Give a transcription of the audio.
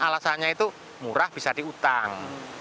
alasannya itu murah bisa diutang